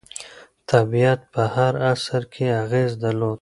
طبیعت په هر عصر کې اغېز درلود.